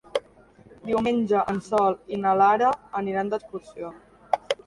Diumenge en Sol i na Lara aniran d'excursió.